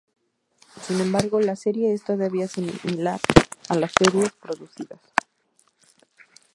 Sin embargo, la serie es todavía similar a las series producidas.